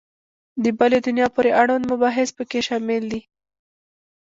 د بلي دنیا پورې اړوند مباحث په کې شامل دي.